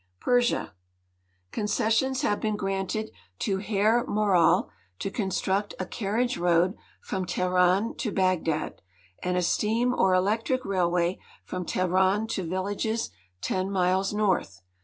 Persia. Concessions have been granted to Herr Moral to construct a carriage road from Teheran to Bagdad, and a steam or electric railway from Teheran to villages 10 miles north.